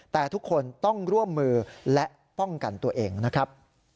แต่ทุกคนต้องร่วมมือและป้องกันตัวเองนะครับ